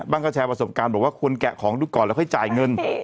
แชร์ประสบการณ์บอกว่าควรแกะของดูก่อนแล้วค่อยจ่ายเงิน